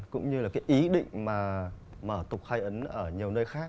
cũng như là cái ý định mà mở tục khai ấn ở nhiều nơi khác